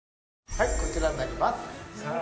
はいこちらになりますさあ